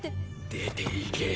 出て行け。